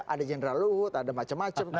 ada general luhut ada macam macam